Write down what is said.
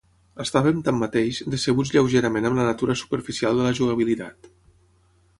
Estaven, tanmateix, decebuts lleugerament amb la natura superficial de la jugabilitat.